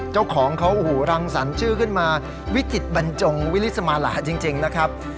เจ้าของเขาโอ้โหรังสรรค์ชื่อขึ้นมาวิจิตบรรจงวิลิสมาหลาจริงนะครับ